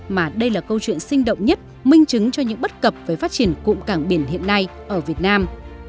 mà đây là câu chuyện sinh động nhất minh chứng cho những bất cập về phát triển cụm cảng biển hiện nay ở việt nam